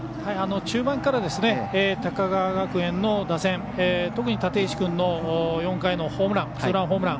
中盤から高川学園の打線特に立石君の４回のツーランホームラン。